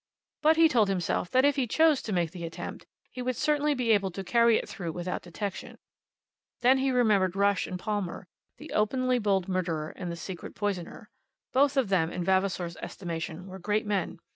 But he told himself, that if he chose to make the attempt, he would certainly be able to carry it through without detection. Then he remembered Rush and Palmer the openly bold murderer and the secret poisoner. Both of them, in Vavasor's estimation, were great men.